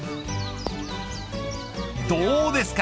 どうですか